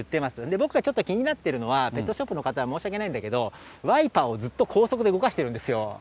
僕がちょっと気になっているのは、ペットショップの方は申し訳ないんだけど、ワイパーをずっと高速で動かしてるんですよ。